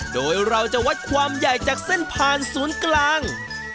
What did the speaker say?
โดยเราจะวัดความใหญ่จากเส้นผ่านศูนย์กลาง